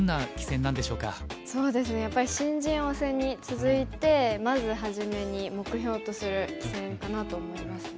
そうですねやっぱり新人王戦に続いてまず初めに目標とする棋戦かなと思いますね。